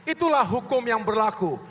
itulah hukum yang berlaku